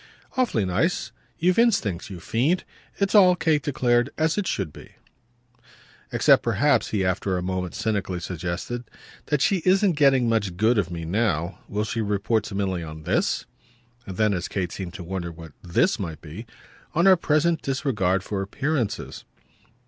"Awfully nice. You've instincts, you fiend. It's all," Kate declared, "as it should be." "Except perhaps," he after a moment cynically suggested, "that she isn't getting much good of me now. Will she report to Milly on THIS?" And then as Kate seemed to wonder what "this" might be: "On our present disregard for appearances."